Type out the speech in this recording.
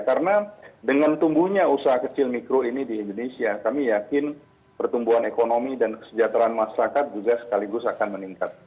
karena dengan tumbuhnya usaha kecil mikro ini di indonesia kami yakin pertumbuhan ekonomi dan kesejahteraan masyarakat juga sekaligus akan meningkat